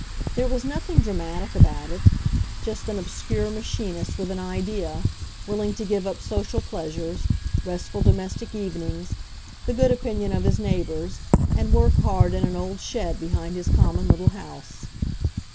There was nothing dramatic about it — 'just an obscure machinist with an idea, willing to give up social pleasures, restful domestic evenings, the good opinion of his neighbors, and work hard in an old shed behind his common little house.